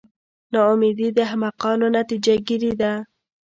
نا امیدي د احمقانو نتیجه ګیري ده.